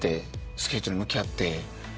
スケートに向き合って。